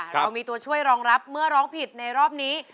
เรามีตัวช่วยรองรับเมื่อร้องผิดในรอบนี้